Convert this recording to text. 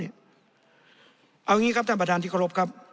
เอาอย่างนี้ครับท่านประธานที่เคารพครับ